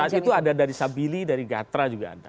iya saat itu ada dari sabili dari gatra juga ada